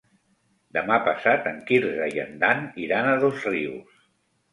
Demà passat en Quirze i en Dan iran a Dosrius.